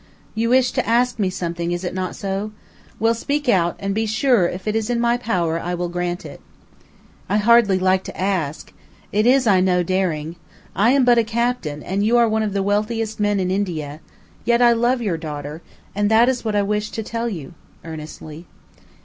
"You wish to ask me something, is it not so? Well, speak out, and be sure if it is in my power I will grant it." "I hardly like to ask. It is, I know, daring. I am but a captain, and you are one of the wealthiest men in India; yet I love your daughter, and that is what I wished to tell you," earnestly.